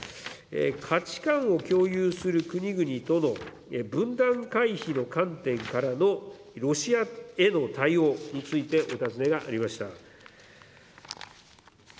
価値観を共有する国々との分断回避の観点からのロシアへの対応についてお尋ねがありました。